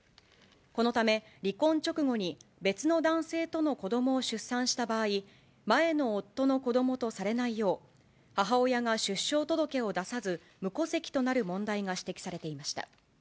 このため、離婚直後に別の男性との子どもを出産した場合、前の夫の子どもとされないよう、母親が出生届を出さず、無戸籍となる問題が指摘されていました。